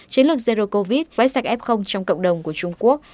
chiến lược zero covid với sạch f trong cộng đồng của trung quốc